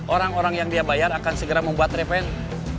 orang orang yang dia bayar akan segera membuat revenue